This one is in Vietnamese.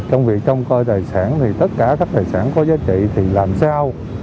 trong việc trông coi tài sản thì tất cả các tài sản có giá trị thì làm sao